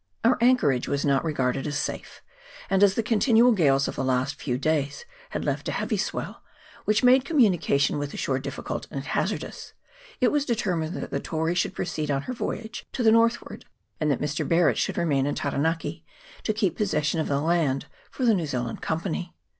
Our anchorage was not regarded as safe ; and as the continual gales of the last few days had left a heavy swell, which made communication with the shore difficult and hazardous, it was determined that the Tory should proceed on her voyage to the north ward, and that Mr. Barret should remain in Taran aki to keep possession of the land for the New Zea land Company.